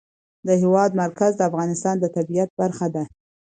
د هېواد مرکز د افغانستان د طبیعت برخه ده.